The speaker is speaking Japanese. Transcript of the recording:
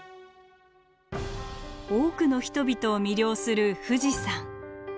多くの人々を魅了する富士山。